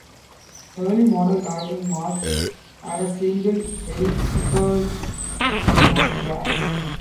Early model diving masks had a single elliptical pane of glass.